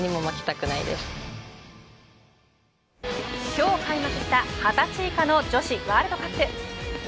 今日開幕した２０歳以下の女子ワールドカップ。